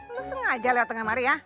lo sengaja lewat tengah hari ya